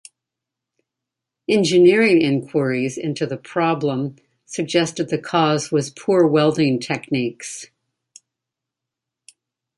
Engineering inquiries into the problem suggested the cause was poor welding techniques.